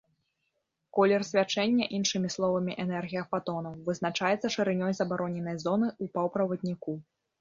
Колер свячэння, іншымі словамі, энергія фатонаў, вызначаецца шырынёй забароненай зоны ў паўправадніку.